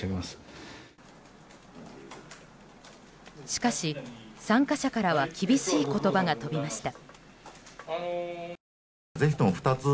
しかし、参加者からは厳しい言葉が飛びました。